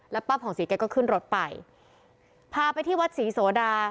ป้าผ่องศรีแกก็ขึ้นรถไปพาไปที่วัดศรีโสดา